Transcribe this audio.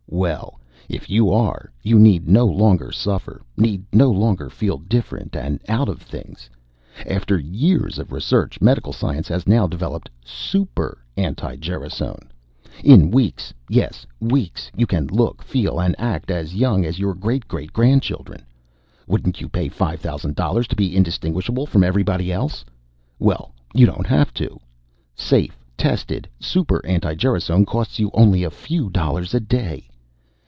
Well, if you are, you need no longer suffer, need no longer feel different and out of things. "After years of research, medical science has now developed Super anti gerasone! In weeks yes, weeks you can look, feel and act as young as your great great grandchildren! Wouldn't you pay $5,000 to be indistinguishable from everybody else? Well, you don't have to. Safe, tested Super anti gerasone costs you only a few dollars a day.